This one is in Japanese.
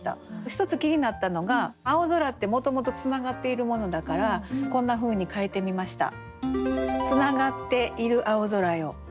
一つ気になったのが青空ってもともと繋がっているものだからこんなふうに変えてみました。